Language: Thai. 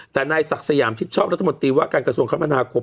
แต่นายศักดิ์สยามชิดชอบรัฐมนตรีว่าการกระทรวงคมนาคม